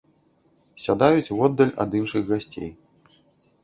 Сядаюць воддаль ад іншых гасцей.